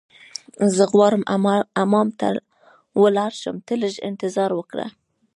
زه غواړم حمام ته ولاړ شم، ته لږ انتظار وکړه.